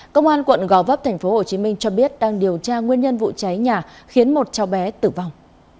công an quận gò vấp tp hcm cho biết đang điều tra nguyên nhân vụ cháy nhà khiến một cháu bé tử vong